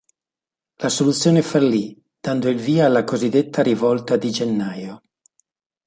La soluzione fallì, dando il via alla cosiddetta Rivolta di gennaio.